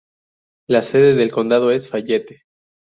La sede del condado es Fayette.